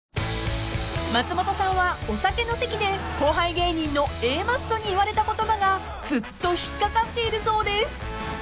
［松本さんはお酒の席で後輩芸人のＡマッソに言われた言葉がずっと引っ掛かっているそうです］